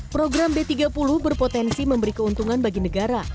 program b tiga puluh berpotensi memberi keuntungan bagi negara